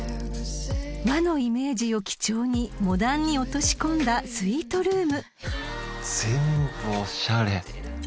［和のイメージを基調にモダンに落とし込んだスイートルーム］全部おしゃれ。